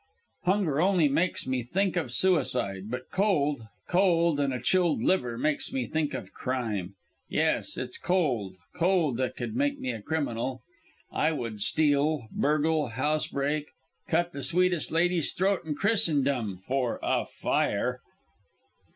Hunger only makes me think of suicide but cold cold and a chilled liver makes me think of crime. Yes, it's cold! Cold that would make me a criminal. I would steal burgle housebreak cut the sweetest lady's throat in Christendom for a fire!